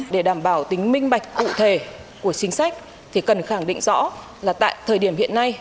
để đảm bảo tính minh bạch cụ thể của chính sách thì cần khẳng định rõ là tại thời điểm hiện nay